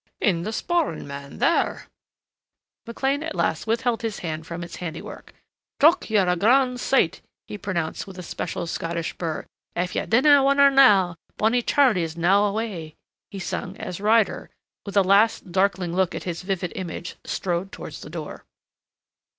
"In the sporran, man.... There!" McLean at last withheld his hand from its handiwork. "Jock, you're a grand sight," he pronounced with a special Scottish burr. "If ye dinna win her now 'Bonny Charley's now awa,'" he sung as Ryder, with a last darkling look at his vivid image, strode towards the door.